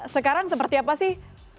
sekarang seperti apa sih